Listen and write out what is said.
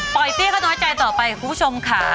ปล่อยเตี้ยข้าตัวใจต่อไปคุณผู้ชมค่ะ